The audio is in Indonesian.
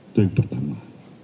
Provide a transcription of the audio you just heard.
itu yang pertama